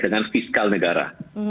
dengan fiskal negara